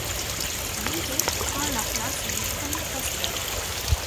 Viret prend la place de premier pasteur.